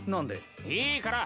いいから。